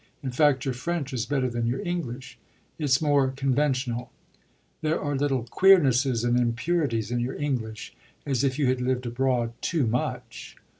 In fact your French is better than your English it's more conventional; there are little queernesses and impurities in your English, as if you had lived abroad too much.